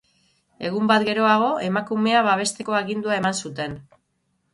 Egun bat geroago, emakumea babesteko agindua eman zuten.